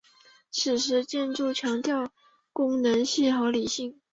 此时的建筑强调功能性和理性。